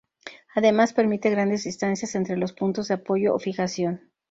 Además, permite grandes distancias entre los puntos de apoyo o fijación.